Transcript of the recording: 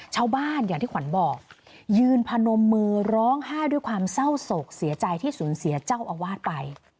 อย่างที่ขวัญบอกยืนพนมมือร้องไห้ด้วยความเศร้าโศกเสียใจที่สูญเสียเจ้าอาวาสไป